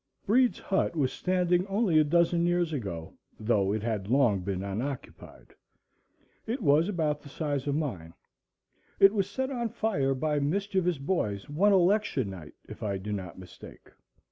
Breed's hut was standing only a dozen years ago, though it had long been unoccupied. It was about the size of mine. It was set on fire by mischievous boys, one Election night, if I do not mistake.